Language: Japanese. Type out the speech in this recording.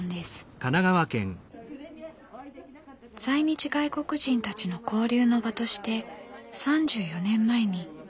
在日外国人たちの交流の場として３４年前に市が作りました。